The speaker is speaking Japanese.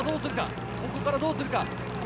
ここからどうするか。